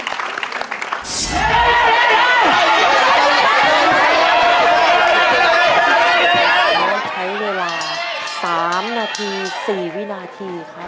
ใช้เวลา๓นาที๔วินาทีครับ